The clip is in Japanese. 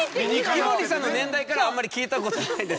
井森さんの年代からはあんまり聞いたことないんで。